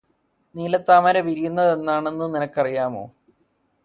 നീലത്താമര വിരിയുന്നതെന്നാണെന്ന് നിനക്കറിയാമോ.